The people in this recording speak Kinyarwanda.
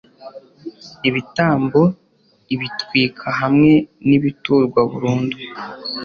ibitambo ibitwikwa hamwe n'ibiturwa burundu